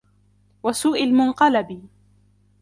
وَسُوءِ الْمُنْقَلَبِ